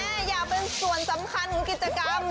อยากเป็นส่วนสำคัญของกิจกรรม